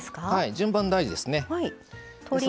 順番、大事ですね。